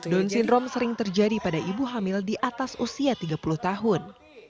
down syndrome sering terjadi pada ibu hamil di atas usia tiga puluh tahun